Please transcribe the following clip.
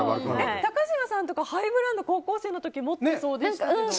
高嶋さんとかハイブランド高校生の時、持ってそうですけど。